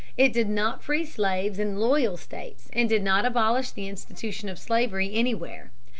It did not free slaves in loyal states and did not abolish the institution of slavery anywhere.